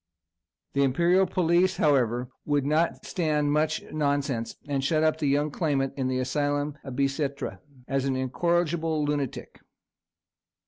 The imperial police, however, would not stand much nonsense, and shut up the youthful claimant in the asylum of Bicêtre, as an incorrigible lunatic.